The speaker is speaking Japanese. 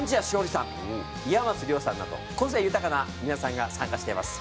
さん岩松了さんなど個性豊かな皆さんが参加しています。